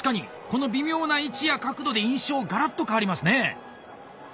この微妙な位置や角度で印象ガラッと変わりますね。